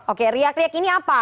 oke riak riak ini apa